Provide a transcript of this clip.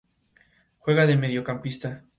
Juega de mediocampista.